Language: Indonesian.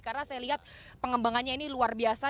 karena saya lihat pengembangannya ini luar biasa